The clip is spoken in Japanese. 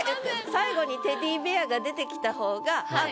最後に「テディベア」が出てきた方がああ